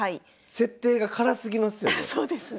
設定が辛すぎますよね。